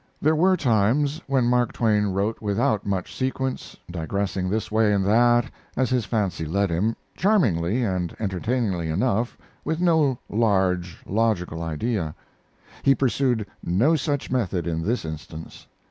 There were times when Mark Twain wrote without much sequence, digressing this way and that, as his fancy led him, charmingly and entertainingly enough, with no large, logical idea. He pursued no such method in this instance.